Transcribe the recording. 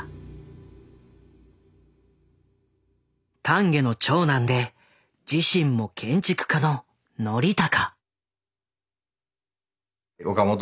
丹下の長男で自身も建築家の憲孝。